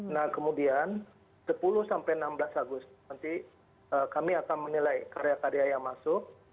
nah kemudian sepuluh sampai enam belas agustus nanti kami akan menilai karya karya yang masuk